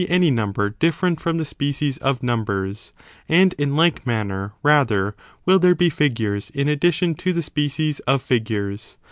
^i^j number different from the species of numbers : and, in ;j^^ manner, rather will there be figures in addition to the species of figures.